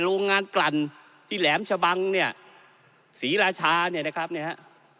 โรงงานกลั่นที่แหลมชะบังเนี่ยศรีราชาเนี่ยนะครับเนี่ยฮะ